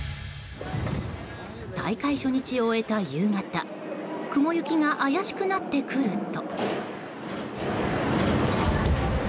大会初日を終えた夕方雲行きが怪しくなってくると。